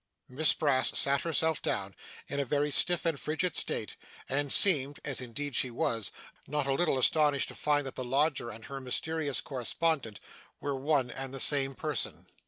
Miss Brass sat herself down, in a very stiff and frigid state, and seemed as indeed she was not a little astonished to find that the lodger and her mysterious correspondent were one and the same person.